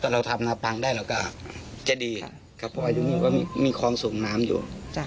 แต่เราทำนาปังได้แล้วก็จะดีเพราะว่าอยู่นี่ก็มีความสูงน้ำอยู่